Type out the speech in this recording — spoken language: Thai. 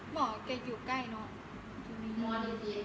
หมอเก็บอยู่ใกล้เนาะ